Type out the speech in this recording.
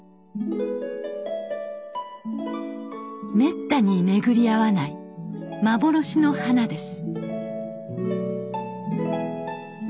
めったに巡り合わない幻の花です。